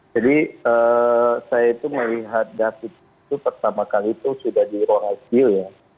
jadi saya itu melihat david itu pertama kali itu sudah di ruang icu ya